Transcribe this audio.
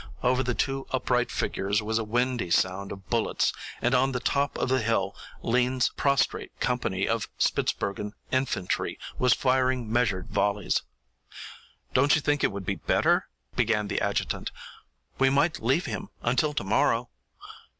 Over the two upright figures was a windy sound of bullets, and on the top of the hill Lean's prostrate company of Spitzbergen infantry was firing measured volleys. "Don't you think it would be better " began the adjutant. "We might leave him until tomorrow."